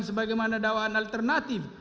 sebagaimana dakwaan alternatif